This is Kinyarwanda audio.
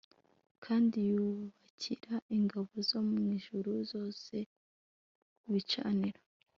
kandi yubakira ingabo zo mu ijuru zose ibicaniro